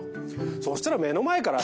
そしたら目の前から。